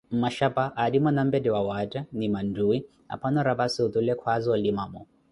Mmaxapa aarimo nanpette awaatta ni maatuwi, aphano rapazi otule kwhaza olimamo.